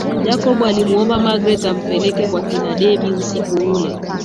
Jacob alimuomba magreth ampeleke kwa kina debby usiku ule